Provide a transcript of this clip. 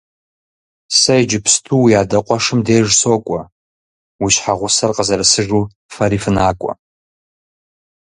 Сэ иджыпсту уи адэ къуэшым деж сокӀуэ, уи щхьэгъусэр къызэрысыжу фэри фынакӀуэ.